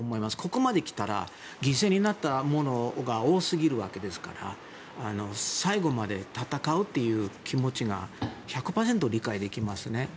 ここまで来たら犠牲になった者が多すぎるわけですから最後まで戦うという気持ちが１００％理解できますね。